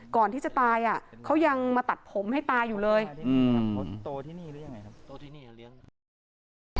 ก่อนที่จะตายอ่ะเขายังมาตัดผมให้ตายอยู่เลย